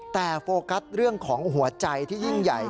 แต่โฟกัสเรื่องของหัวใจที่ยิ่งใหญ่